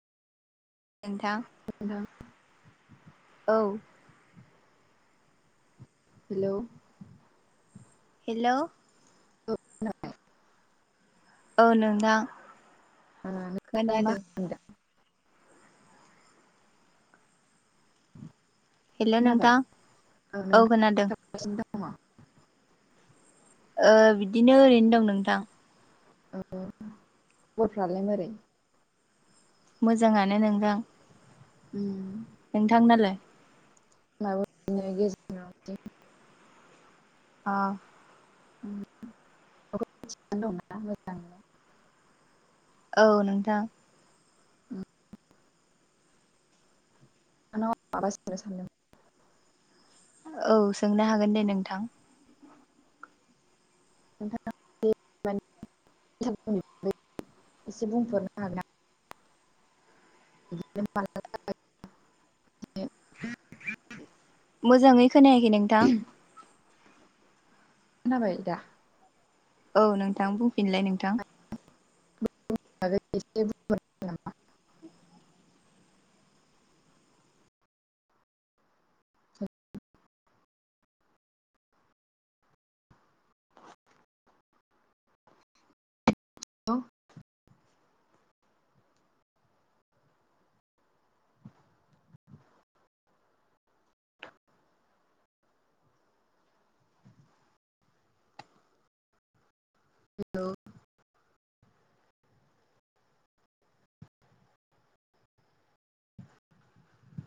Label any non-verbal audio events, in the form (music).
नोंथां नोंथां औ हेलौ हेलौ औ खोनाबाय औ नोथां ओ नों दायो मा खालामदों हेल' खोनाबाय नोंथां औ नों दायो मा खालामगासिनो दं ओ बिदिनो ओरैनो दं नोंथां ओ खबरफ्रालाय माबोरै मोजाङानो नोंथां उम नोंथांनालाय। माबा बिदिनो गेजेराव बिदि अ (unintelligible) औ नोंथां। नोंथांआव आ माबा सोंनो सानदों। औ सोंनो हागोन दे नोंथां। नोंथाङा (unintelligible) एसे बुंफोर बिदिनो (unintelligible) मोजाङै खोनायाखै नोंथां। खोनाबाय दा। औ नोंथां बुंफिनलाय नोंथां। (unintelligible) नामा हेलौ